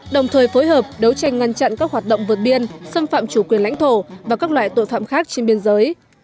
đồng thời phối hợp đấu tranh ngăn chặn các hoạt động vượt biên xâm phạm chủ quyền lãnh thổ và các loại tội phạm khác trên biên giới